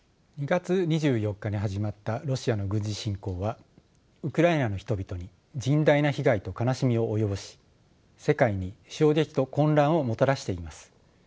２月２４日に始まったロシアの軍事侵攻はウクライナの人々に甚大な被害と悲しみを及ぼし世界に衝撃と混乱をもたらしています。